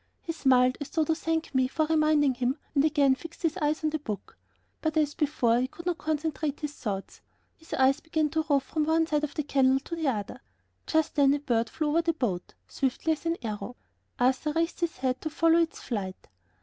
He smiled, as though to thank me for reminding him, and again fixed his eyes on his book. But as before, he could not concentrate his thoughts; his eyes began to rove from first one side of the canal to the other. Just then a bird flew over the boat, swiftly as an arrow. Arthur raised his head to follow its flight.